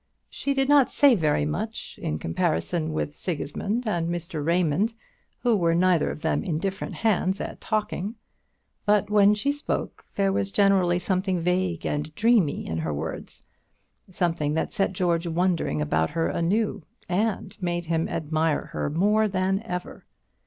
She did not say very much, in comparison with Sigismund and Mr. Raymond, who were neither of them indifferent hands at talking; but when she spoke, there was generally something vague and dreamy in her words, something that set George wondering about her anew, and made him admire her more than ever.